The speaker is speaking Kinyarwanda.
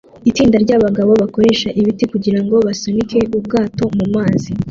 Itsinda ryabagabo bakoresha ibiti kugirango basunike ubwato mumazi